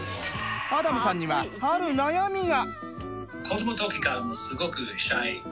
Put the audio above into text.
アダムさんにはある悩みが。